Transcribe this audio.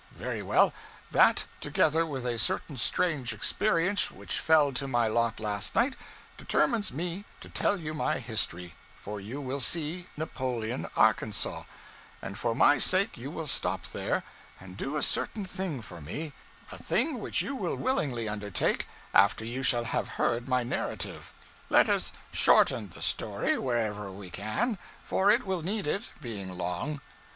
Very well; that, together with a certain strange experience which fell to my lot last night, determines me to tell you my history for you will see Napoleon, Arkansas; and for my sake you will stop there, and do a certain thing for me a thing which you will willingly undertake after you shall have heard my narrative. Let us shorten the story wherever we can, for it will need it, being long.